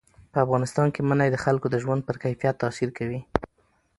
په افغانستان کې منی د خلکو د ژوند په کیفیت تاثیر کوي.